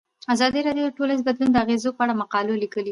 ازادي راډیو د ټولنیز بدلون د اغیزو په اړه مقالو لیکلي.